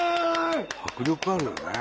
迫力あるよね。